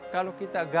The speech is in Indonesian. kalau kita gagal